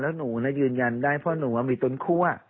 แล้วหนูยืนยันได้เพราะหนูมีต้นคั่ว